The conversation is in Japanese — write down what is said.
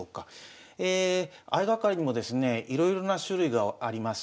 相掛かりにもですねいろいろな種類があります。